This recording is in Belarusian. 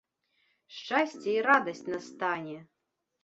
Шчасце і радасць настане!